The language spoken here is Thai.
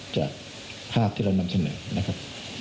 จากภาพที่เรานำเสนอนะครับ